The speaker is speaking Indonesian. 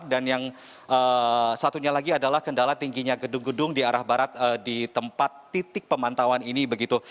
dan yang satunya lagi adalah kendala tingginya gedung gedung di arah barat di tempat titik pemantauan ini begitu